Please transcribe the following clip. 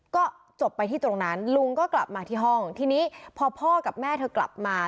ก็จบไปที่ตรงนั้นลุงก็กลับมาที่ห้องทีนี้พอพ่อกับแม่เธอกลับมา